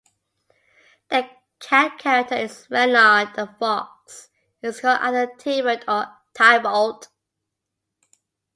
The Cat character in Reynard the Fox is called either Tibert or Tybalt.